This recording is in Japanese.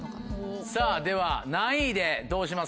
さぁでは何位でどうしますか？